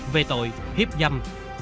về tội hiếp dâm